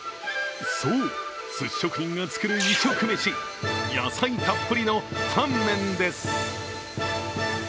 そう、すし職人が作る異色メシ、野菜たっぷりのタンメンです。